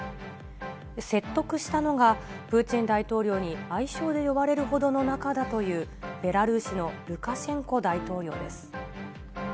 説得したのが、プーチン大統領に愛称で呼ばれるほどの仲だという、ベラルーシのルカシェンコ大統領です。